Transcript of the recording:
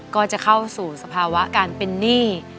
ก็จะเข้าสู่สภาวะการเป็นหนี้